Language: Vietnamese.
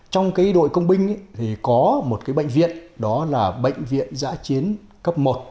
trong đội công binh có một bệnh viện đó là bệnh viện giãi chiến cấp một